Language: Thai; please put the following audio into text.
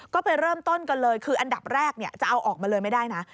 ก็ไปเริ่มต้นกันเลยคืออันดับแรกจะเอาออกมาเลยไม่ได้นะ